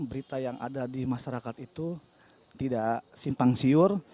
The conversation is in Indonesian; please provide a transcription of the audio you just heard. berita yang ada di masyarakat itu tidak simpang siur